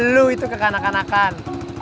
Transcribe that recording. lo itu kekanakan kanakan